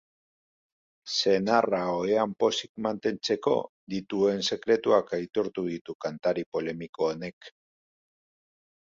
Senarra ohean pozik mantentzeko dituen sekretuak aitortu ditu kantari polemiko honek.